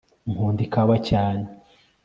nkunda ikawa cyane